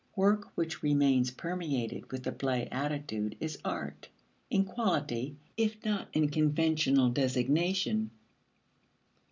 Work which remains permeated with the play attitude is art in quality if not in conventional designation.